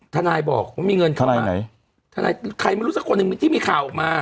ทนายบอกว่ามีเงินขนาดไหนทนายใครไม่รู้สักคนหนึ่งที่มีข่าวออกมา